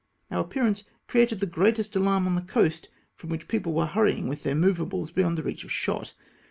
Om^ appearance created the greatest alarm on the coast, from which people were hurrying with their movables beyond the reach of shot.